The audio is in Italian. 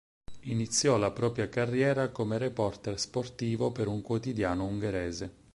Iniziò la propria carriera come reporter sportivo per un quotidiano ungherese.